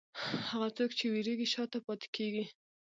هغه څوک چې وېرېږي، شا ته پاتې کېږي.